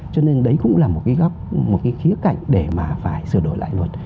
cho nên đấy cũng là một cái góc một cái khía cạnh để mà phải sửa đổi lại luật